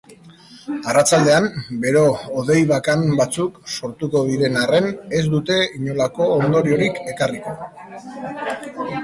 Arratsaldean, bero-hodei bakan batzuk sortuko diren arren ez dute inolako ondoriorik ekarriko.